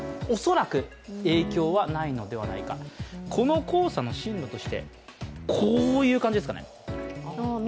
この黄砂の進路として、こういう感じですかね。